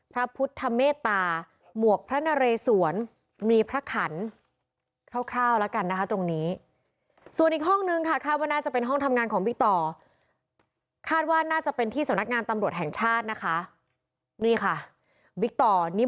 พระพุทธเท้าเมตต์